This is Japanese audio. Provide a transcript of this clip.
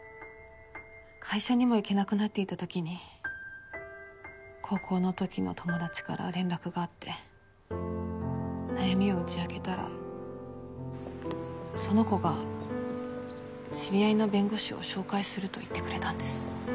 会社にも行けなくなっていた時に高校の時の友達から連絡があって悩みを打ち明けたらその子が知り合いの弁護士を紹介すると言ってくれたんです。